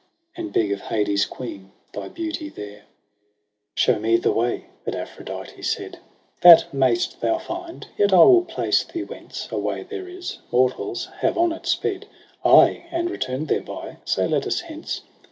And beg of Hades' queen thy beauty there. 1^8 EROS 6 PSYCHE ' Show me the way,' But Aphrodite said, 'That mayst thou find. Yet I will place thee whence A way there is : mortals have on it sped • Ay, and retum'd thereby : so let us hence.'